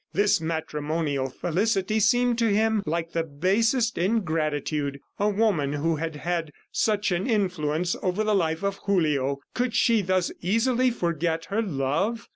This matrimonial felicity seemed to him like the basest ingratitude. A woman who had had such an influence over the life of Julio! ... Could she thus easily forget her love?